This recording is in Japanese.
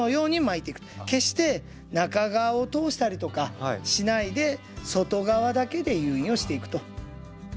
決して中側を通したりとかしないで外側だけで誘引をしていくと。